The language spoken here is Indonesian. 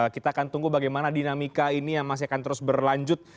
kita akan tunggu bagaimana dinamika ini yang masih akan terus berlanjut